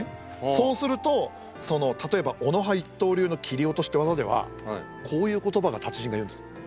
そうすると例えば小野派一刀流の切落って技ではこういう言葉が達人が言うんです。